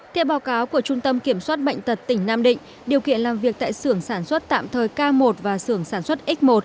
theo báo cáo của trung tâm kiểm soát bệnh tật tỉnh nam định điều kiện làm việc tại sưởng sản xuất tạm thời k một và sưởng sản xuất x một